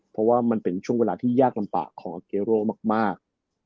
เพราะว่ามันเป็นช่วงเวลาที่ยากลำบากของอาเกโร่มาก